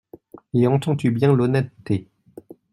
Et entends-tu bien l’honnêteté ?